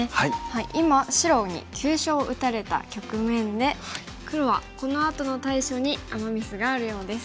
今白に急所を打たれた局面で黒はこのあとの対処にアマ・ミスがあるようです。